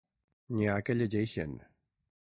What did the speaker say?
N'hi ha que llegeixen.